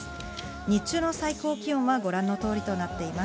日中の最高気温はご覧の通りとなっています。